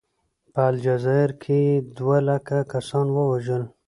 په الجزایر کې یې دوه لکه کسان ووژل.